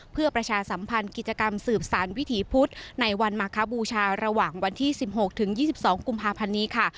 เพื่อประชาสัมพันธ์กิจกรรมสืบสารวิถีพุธในวันมาคบูชาระหว่างวันที่๑๖ถึง๒๒กุมภาพันธ์นี้ค่ะ